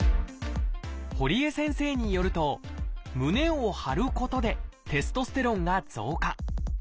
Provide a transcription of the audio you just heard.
堀江先生によると胸を張ることでテストステロンが増加。